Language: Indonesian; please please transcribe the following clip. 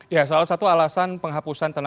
ya salah satu alasan penghapusan tenaga